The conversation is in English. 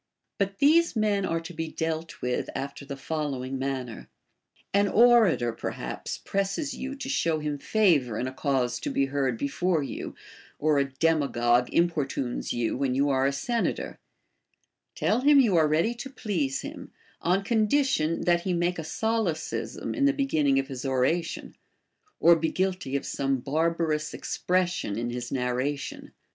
But these men are to be dealt with after the following manner. An orator perhaps presses you to show him favor in a cause to be heard before you, or a demagogue importunes you when you are a sen ator : tell him you are ready to please him, on condition that he make a solecism in the beginning of his oration, or be guilty of some barbarous expression in his narration.